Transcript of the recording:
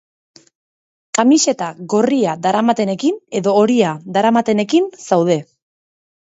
Kamiseta gorria daramatenekin edo horia daramatenekin zaude.